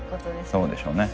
そうでしょうね。